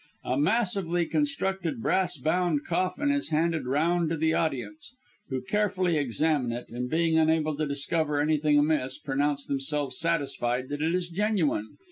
A massively constructed brass bound coffin is handed round to the audience, who carefully examine it, and being unable to discover anything amiss, pronounce themselves satisfied that it is genuine.